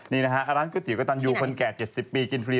นี่นะฮะร้านก๋วกระตันยูคนแก่๗๐ปีกินฟรี